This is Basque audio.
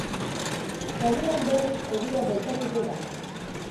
Gauean berriz euria bueltatuko da.